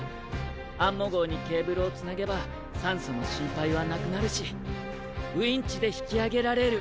アンモ号にケーブルをつなげば酸素の心配はなくなるしウインチで引きあげられる。